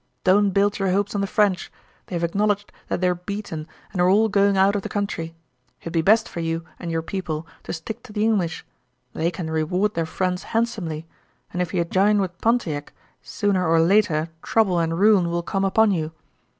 Don't build yer hopes on the French; they've acknowledged that they're beaten and are all going out of the country. It'd be best for you and your people to stick to the English. They can reward their friends handsomely, and ef you jine with Pontiac, sooner or later trouble and ruin will come upon you.